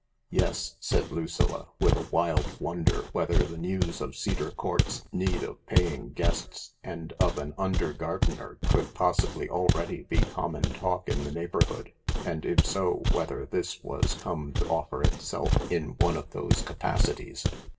" Yes," said Lucilla, with a wild wonder whether the news of Cedar Court's need of paying guests and of an under gardener could possibly already be common talk in the neigh bourhood, and, if so, whether this was come to offer itself in one of those capacities.